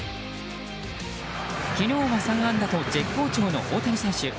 昨日は３安打と絶好調の大谷選手。